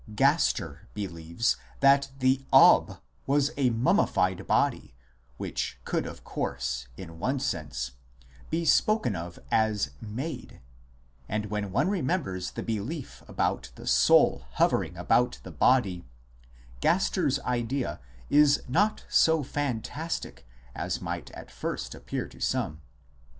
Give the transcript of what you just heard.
Gaster l believes that the Ob was a mummified body, which could of course, in one sense, be spoken of as " made" ; and when one remembers the belief about the soul hovering about the body, 2 Gaster s idea is not so fantastic as might at first appear to some.